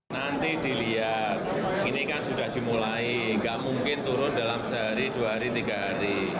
nanti dilihat ini kan sudah dimulai nggak mungkin turun dalam sehari dua hari tiga hari